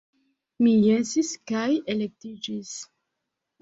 Mi jesis, kaj elektiĝis.